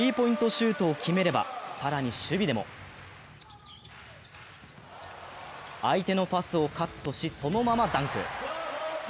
シュートを決めれば更に守備でも相手のパスをカットし、そのままダンク。